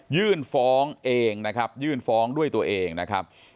ยื่นฟ้องเองนะครับยื่นฟ้องด้วยตัวเองนะครับ